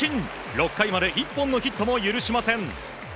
６回まで１本のヒットも許しません。